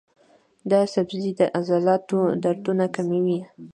دا سبزی د عضلاتو دردونه کموي.